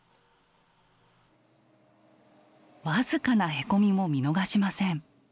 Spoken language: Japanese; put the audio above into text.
僅かなへこみも見逃しません。